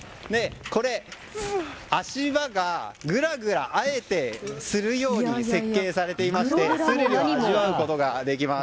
これ、足場がぐらぐらあえてするように設計されていましてスリルを味わうことができます。